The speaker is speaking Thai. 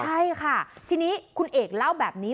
ใช่ค่ะทีนี้คุณเอกเล่าแบบนี้